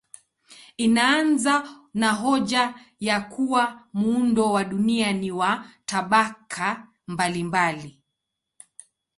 Inaanza na hoja ya kuwa muundo wa dunia ni wa tabaka mbalimbali.